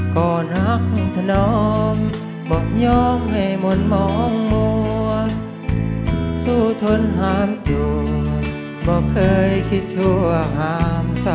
ก่อนรักทนมบอกยอมให้หมดมองมัวสู้ทนหามจูบบอกเคยคิดชั่วหามเศร้า